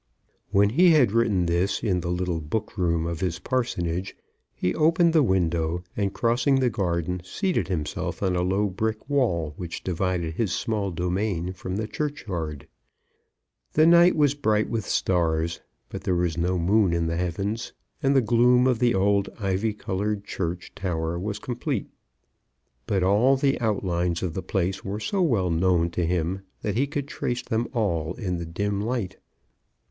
When he had written this in the little book room of his parsonage he opened the window, and, crossing the garden, seated himself on a low brick wall, which divided his small domain from the churchyard. The night was bright with stars, but there was no moon in the heavens, and the gloom of the old ivy coloured church tower was complete. But all the outlines of the place were so well known to him that he could trace them all in the dim light.